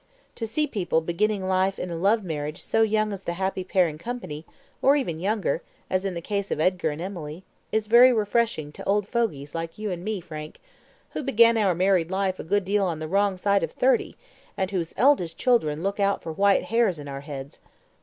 To see people beginning life in a love marriage so young as the happy pair in company, or even younger, as in the case of Edgar and Emily, is very refreshing to old fogies like you and me, Frank, who began our married life a good deal on the wrong side of thirty, and whose eldest children look out for white hairs in our heads.